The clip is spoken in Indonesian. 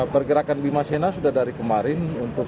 pergerakan bimasena sudah dari kemarin